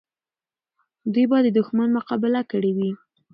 دوی به د دښمن مقابله کړې وي.